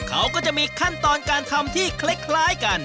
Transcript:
เขาก็จะมีขั้นตอนการทำที่คล้ายกัน